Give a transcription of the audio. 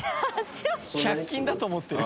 中島）１００均だと思ってる。